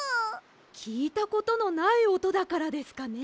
きいたことのないおとだからですかね。